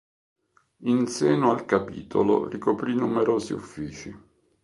In seno al capitolo ricoprì numerosi uffici.